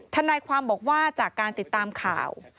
ทนายความบอกว่าจากการติดตามข่าว